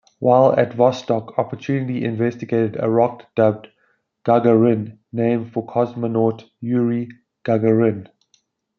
While at Vostok, Opportunity investigated a rock dubbed "Gagarin", named for cosmonaut Yuri Gagarin.